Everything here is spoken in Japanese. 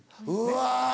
うわ。